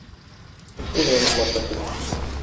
Шуны онытмаска кирәк.